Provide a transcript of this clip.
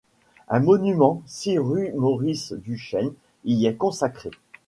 Un monument, sis rue Maurice Duchêne, y est consacré.